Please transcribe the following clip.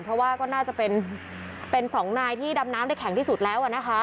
เพราะว่าก็น่าจะเป็นสองนายที่ดำน้ำได้แข็งที่สุดแล้วนะคะ